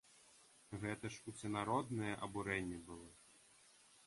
Гэта ж усенароднае абурэнне было.